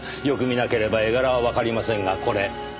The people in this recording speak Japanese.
よく見なければ絵柄はわかりませんがこれ。